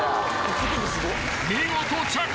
［見事着艦］